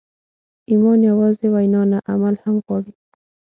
ایمان یوازې وینا نه، عمل هم غواړي.